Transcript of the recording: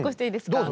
どうぞ。